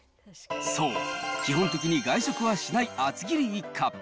そう、基本的に外食はしない厚切り一家。